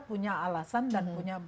punya alasan dan punya